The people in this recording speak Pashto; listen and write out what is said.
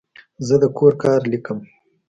زه د کور کار لیکم.